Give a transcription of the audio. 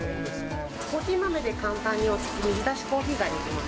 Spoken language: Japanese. コーヒー豆で簡単に水出しコーヒーが出来ます。